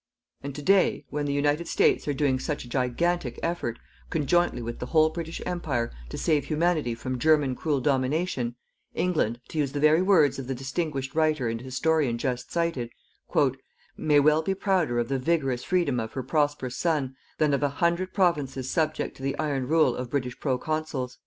And to day, when the United States are doing such a gigantic effort, conjointly with the whole British Empire, to save Humanity from German cruel domination, England, to use the very words of the distinguished writer and historian just cited, "MAY WELL BE PROUDER OF THE VIGOROUS FREEDOM OF HER PROSPEROUS SON THAN OF A HUNDRED PROVINCES SUBJECT TO THE IRON RULE OF BRITISH PRO CONSULS."